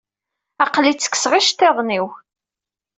Aql-i ttekseɣ iceṭṭiḍen-iw.